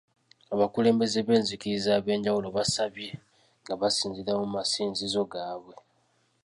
Abakulembeze b’enzikiriza ab’enjawulo baasabye nga basinziira mu masinzizo gaabwe.